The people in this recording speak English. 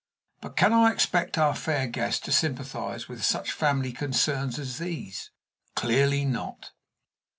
But can I expect our fair guest to sympathize with such family concerns as these? Clearly not.